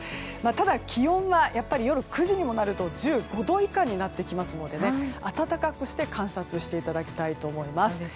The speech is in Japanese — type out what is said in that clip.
ただ気温は夜９時にもなると１５度以下になってきますので暖かくして観察していただきたいと思います。